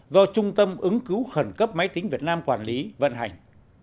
do trung tâm ứng cứu khẩn cấp máy tính việt nam quản lý vận hành